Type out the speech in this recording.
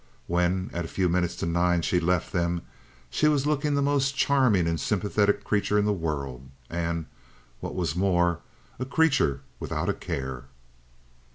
When, at a few minutes to nine, she left them, she was looking the most charming and sympathetic creature in the world, and, what was more, a creature without a care.